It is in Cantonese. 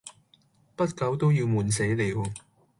不久都要悶死了，